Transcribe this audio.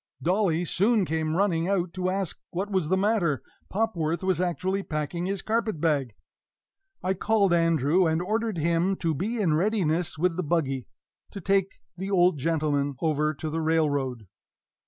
Dolly soon came running out to ask what was the matter; Popworth was actually packing his carpet bag! I called Andrew, and ordered him to be in readiness with the buggy to take the old gentleman over to the railroad.